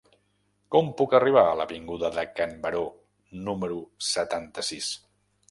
Com puc arribar a l'avinguda de Can Baró número setanta-sis?